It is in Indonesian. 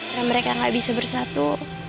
dan mereka gak bisa bersatu